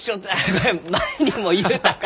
これ前にも言うたか！